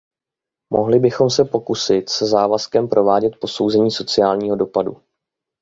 Mohli bychom se spokojit se závazkem provádět posouzení sociálního dopadu.